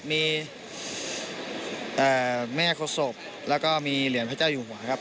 มีแม่โคศบแล้วก็มีเหรียญพระเจ้าหญิงหวะครับ